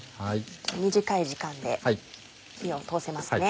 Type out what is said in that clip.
短い時間で火を通せますね。